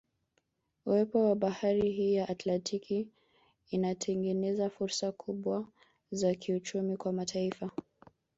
Uwepo wa bahari hii ya Atlantiki inatengeneza fursa kubwa za kiuchumi kwa mataifa